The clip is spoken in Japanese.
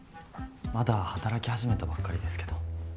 まだ働き始めたばっかりですけど。